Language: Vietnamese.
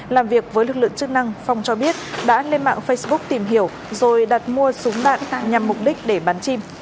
làm việc với lực lượng chức năng phong cho biết đã lên mạng facebook tìm hiểu rồi đặt mua súng đạn nhằm mục đích để bắn chim